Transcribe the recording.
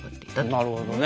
なるほどね。